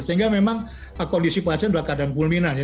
sehingga memang kondisi pasien sudah keadaan pulminan